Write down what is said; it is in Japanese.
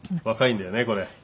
若いんだよねこれ。